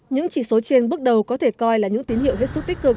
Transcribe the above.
những chỉ số trên bước đầu có thể coi là những tín hiệu hết sức tích cực